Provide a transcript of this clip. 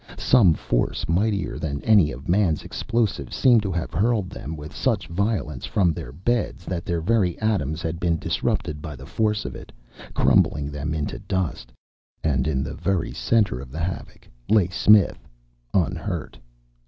Some force mightier than any of man's explosives seemed to have hurled them with such violence from their beds that their very atoms had been disrupted by the force of it, crumbling them into dust. And in the very center of the havoc lay Smith, unhurt.